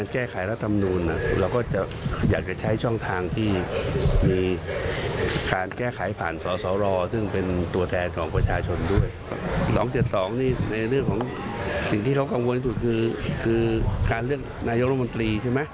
ก็คงไม่เห็นชอบให้มีการแก้ไข